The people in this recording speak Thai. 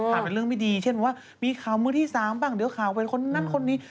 ห้ามเป็นเรื่องไม่ดีเช่นมีขาวมือที่สามบ้างเดี๋ยวขาวไปคนนั้นคนนี้